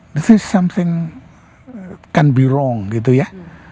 ini sesuatu yang tidak salah